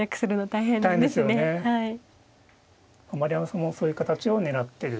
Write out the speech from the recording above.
丸山さんもそういう形を狙ってる。